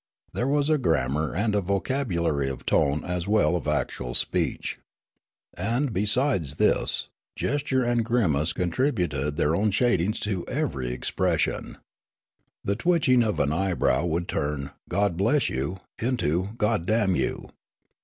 There was a grammar and voc abulary of tone as well as of actual speech. And, be sides this, gesture and grimace contributed their own shadings to ev^er>' expression. The twitching of an 26 The Language 27 eyebrow would turn "God bless you" into "God damn you."